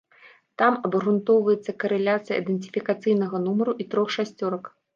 Там абгрунтоўваецца карэляцыя ідэнтыфікацыйнага нумару і трох шасцёрак.